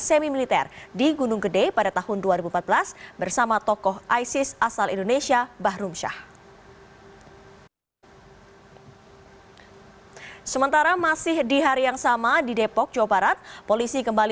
kedua terduga teroris juga pernah mengikuti pelatihan